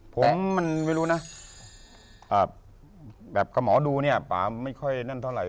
ผมมันไม่รู้นะก็หมอดูเนี่ยก็ไม่ค่้านั่นเท่าไหร่